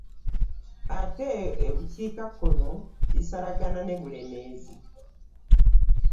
Ate ebukiikakkono lisalagana ne Bulemeezi.